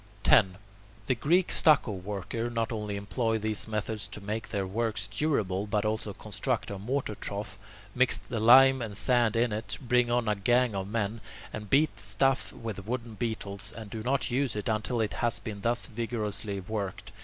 10. The Greek stucco workers not only employ these methods to make their works durable, but also construct a mortar trough, mix the lime and sand in it, bring on a gang of men, and beat the stuff with wooden beetles, and do not use it until it has been thus vigorously worked.